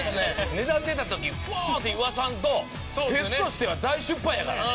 値段出た時フォー！って言わさんとフェスとしては大失敗やからね。